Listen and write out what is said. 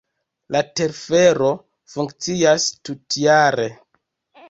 La telfero funkcias tutjare.